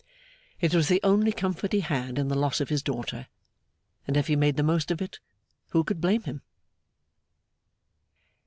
It was the only comfort he had in the loss of his daughter, and if he made the most of it, who could blame him?